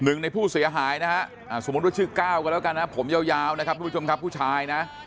หนึ่งในผู้เสียหายสมมติว่าชื่อกล้าวกันผมยาวนะครับผู้ชมครับผู้ชายนะ